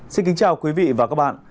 xin kính chào quý vị và các bạn